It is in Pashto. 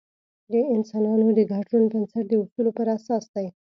د انسانانو د ګډ ژوند بنسټ د اصولو پر اساس دی.